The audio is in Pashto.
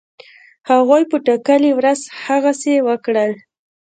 هغوی په ټاکلې ورځ هغسی وکړل.